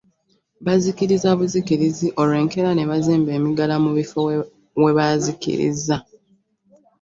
Bazikiriza buzikirizi olwo enkeera ne bazimba emigala mu bifo we baazikirizza.